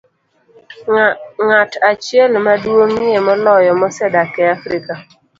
Ng'at achiel maduong'ie moloyo mosedak e Afrika